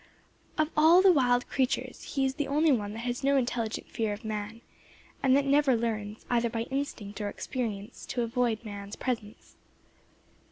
Of all the wild creatures he is the only one that has no intelligent fear of man, and that never learns, either by instinct or experience, to avoid man's presence.